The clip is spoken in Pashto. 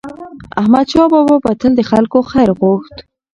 احمدشاه بابا به تل د خلکو خیر غوښت.